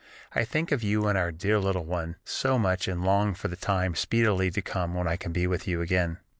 I think of you and our dear little one so much and long for the time speedily to come when I can be with you again.